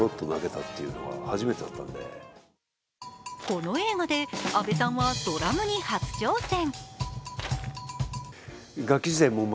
この映画で阿部さんはドラムに初挑戦。